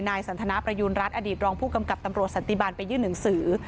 สันทนาประยูณรัฐอดีตรองผู้กำกับตำรวจสันติบาลไปยื่นหนังสือ